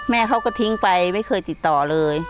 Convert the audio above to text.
แม่เขาก็ทิ้งไปไม่เคยติดต่อเลย